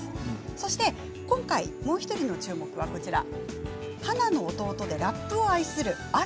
そして今回もう１人の注目は花の弟でラップを愛する嵐。